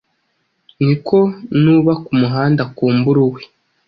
niko n'uba ku muhanda akumbura uwe